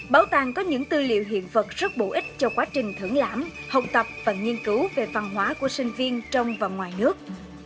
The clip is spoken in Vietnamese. bảo tàng có những tư liệu hiện vật rất bổ ích cho quá trình thưởng lãm học tập và nghiên cứu về văn hóa của sinh viên trong và ngoài nước